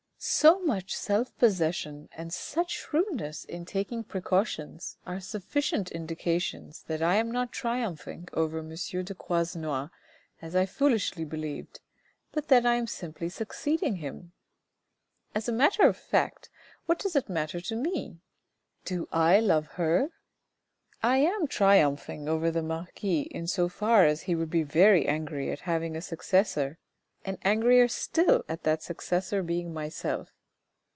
So much self possession and such shrewdness in taking precautions are ONE O'CLOCK IN THE MORNING 347 sufficient indications that I am not triumphing over M. de Croisenois as I foolishly believed, but that I am simply succeeding him. As a matter of fact, what does it matter to me ? Do I love her ? I am triumphing over the marquis in so far as he would be very angry at having a successor, and angrier still at that successor being myself.